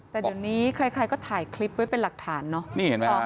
แต่เดี๋ยวนี้ใครใครก็ถ่ายคลิปไว้เป็นหลักฐานเนอะนี่เห็นไหม